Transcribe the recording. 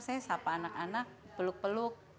saya sapa anak anak peluk peluk